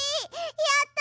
やった！